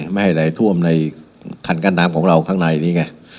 ไม่ให้ไหลท่วมในคันกั้นน้ำของเราข้างในนี่ไง